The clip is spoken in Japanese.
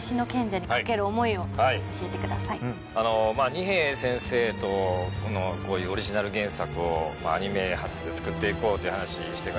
弐瓶先生とこういうオリジナル原作をアニメ初で作っていこうという話してから。